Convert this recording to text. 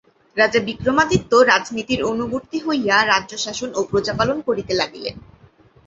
রাজা বিক্রমাদিত্য রাজনীতির অনুবর্তী হইয়া রাজ্যশাসন ও প্রজাপালন করিতে লাগিলেন।